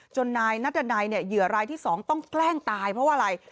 จนนายนัทดาไนเนี่ยเหยื่อรายที่สองต้องแกล้งตายเพราะว่าอะไร